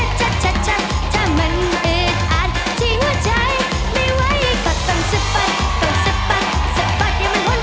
ถ้ามันอืดอาดที่หัวใจไม่ไหวก็ต้องสะปัดต้องสะปัดสะปัด